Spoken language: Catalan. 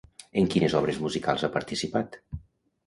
En quines obres musicals ha participat?